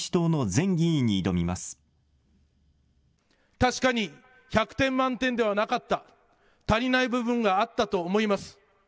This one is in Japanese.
確かに１００点満点ではなかった、足りない部分があったと思います。